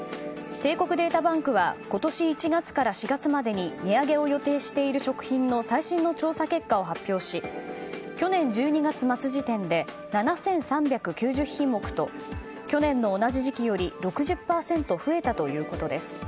帝国データバンクは今年１月から４月までに値上げを予定している食品の最新の調査結果を発表し去年１２月末時点で７３９０品目と去年の同じ時期より６０％増えたということです。